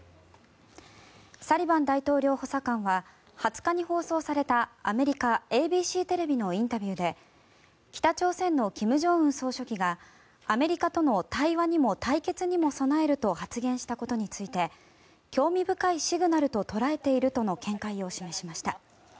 サリバン大統領補佐官は２０日に放送されたアメリカＡＢＣテレビのインタビューで北朝鮮の金正恩総書記がアメリカとの対話にも対決にも備えると発言したことについて興味深いシグナルと捉えているとの見解を示しました。